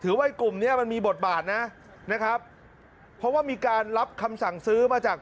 ว่าไอ้กลุ่มเนี้ยมันมีบทบาทนะนะครับเพราะว่ามีการรับคำสั่งซื้อมาจาก